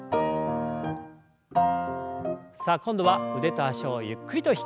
さあ今度は腕と脚をゆっくりと引き上げましょう。